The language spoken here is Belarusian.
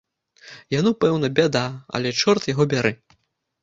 Яно, пэўна, бяда, але чорт яго бяры.